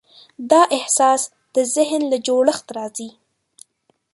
دا احساس د ذهن له جوړښت راځي.